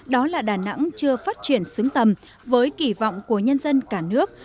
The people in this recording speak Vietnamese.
đó là đà nẵng chưa phát triển xứng tầm với kỳ vọng của nhân dân cả nước